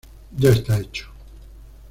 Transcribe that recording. Ya está hecho.